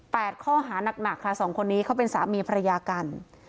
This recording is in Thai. ข้อหานักหนักค่ะสองคนนี้เขาเป็นสามีภรรยากัน